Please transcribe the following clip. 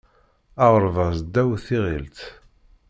Aɣerbaz ddaw tiɣilt.